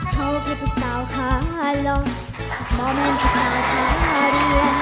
เข้าไปภาษาวิทยาลักษณ์หมอเมินภาษาวิทยาลักษณ์